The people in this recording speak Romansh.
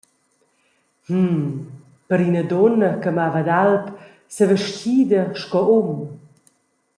Mhm … Per ina dunna che mava ad alp, sevestgida sco um.